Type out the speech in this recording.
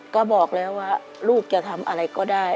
ก็บอกแล้วว่าลูกจะทำอะไรก็ได้